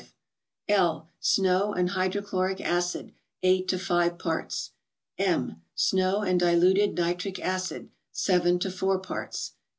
L. —Snow and hydrochloric acid, 8 to 5 parts. M. —Snow and diluted nitric acid, 7 to 4 parts.